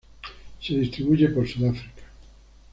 Se distribuyen por Sudáfrica.